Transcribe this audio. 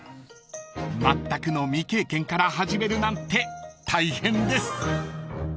［全くの未経験から始めるなんて大変です］